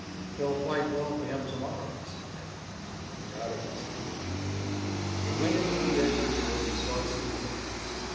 "They'll fight well for him, to morrow," said Dick. "No doubt of it," said Warner. They went into the edge of the wood and sought sleep and rest.